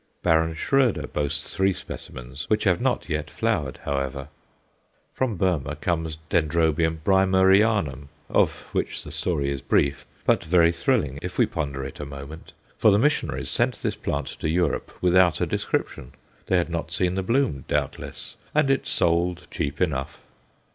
Baron Schroeder boasts three specimens which have not yet flowered, however. From Burmah comes D. Brymerianum, of which the story is brief, but very thrilling if we ponder it a moment. For the missionaries sent this plant to Europe without a description they had not seen the bloom, doubtless and it sold cheap enough.